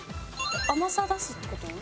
甘さ出すって事？